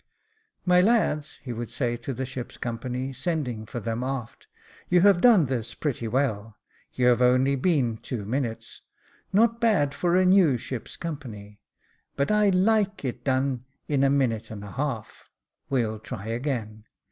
" My lads," he would say to the ship's company, sending for them aft, " you have done this pretty well ; you have only been two minutes ; not bad for a new ship's company, but I like it done in a minute and a half. We'll try again."